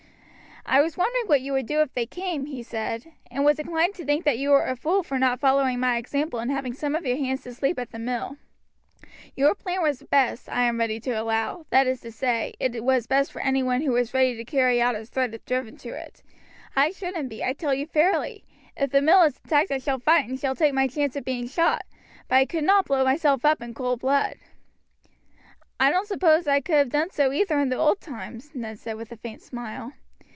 "I was wondering what you would do if they came," he said, "and was inclined to think you were a fool for not following my example and having some of your hands to sleep at the mill. Your plan was best, I am ready to allow; that is to say, it was best for any one who was ready to carry out his threat if driven to it. I shouldn't be, I tell you fairly. If the mill is attacked I shall fight and shall take my chance of being shot, but I could not blow myself up in cold blood." "I don't suppose I could have done so either in the old times," Ned said with a faint smile.